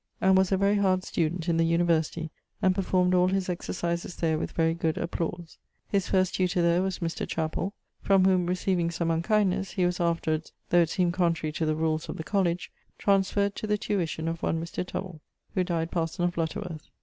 And was a very hard student in the University, and performed all his exercises there with very good applause. His first tutor there was Mr. Chapell; from whom receiving some unkindnesse[XXI.], he was afterwards (though it seemed contrary to the rules of the college) transferred to the tuition of one Mr. Tovell, who dyed parson of Lutterworth.